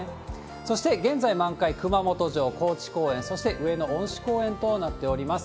そして、現在満開、熊本城、高知公園、そして上野恩賜公園となっております。